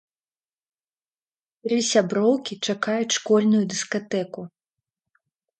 Тры сяброўкі чакаюць школьную дыскатэку.